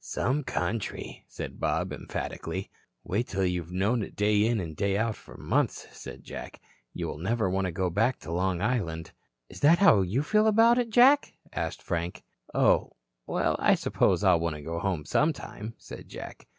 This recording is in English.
"Some country," said Bob emphatically. "Wait until you have known it day in and day out for months," said Jack. "You will never want to go back to Long Island." "Is that the way you feel about it, Jack?" asked Frank. "Oh, well, I suppose I'll want to go home sometime," said Jack.